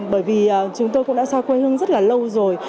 bởi vì chúng tôi cũng đã xa quê hương rất là lâu rồi